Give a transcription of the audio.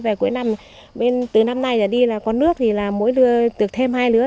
về cuối năm từ năm nay là đi là có nước thì là mỗi được thêm hai lứa